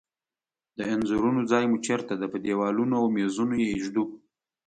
د انځورونو ځای مو چیرته ده؟ په دیوالونو او میزونو یی ایږدو